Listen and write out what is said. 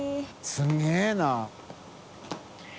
すげぇな。